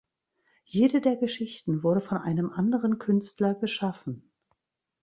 Jede der Geschichten wurde von einem anderen Künstler geschaffen.